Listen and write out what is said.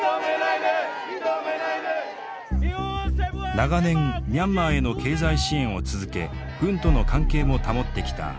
長年ミャンマーへの経済支援を続け軍との関係も保ってきた日本。